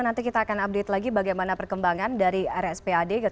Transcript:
nanti kita akan update lagi bagaimana perkembangan dari rspad